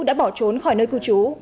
đã bỏ trốn khỏi nơi cư trú